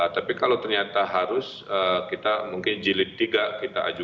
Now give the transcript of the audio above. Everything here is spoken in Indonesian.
tapi kalau ternyata harus kita mungkin jilid tiga kita ajukan